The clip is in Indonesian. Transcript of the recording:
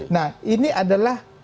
nah ini adalah